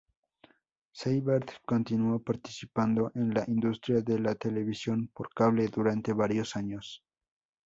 Seibert continuó participando en la industria de la televisión por cable durante varios años.